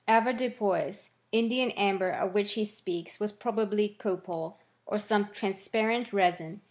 avoirdupois, /n dian amber, of which he speaks, was probably copal, or some transparent resin.